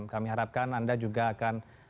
kami harapkan anda juga akan